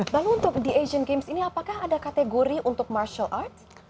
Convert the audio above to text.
dan untuk di asian games ini apakah ada kategori untuk martial arts